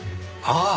ああ。